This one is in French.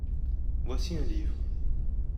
Voici un livre.